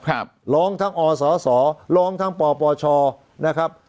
ครับร้องทั้งอศร้องทั้งปปชนะครับ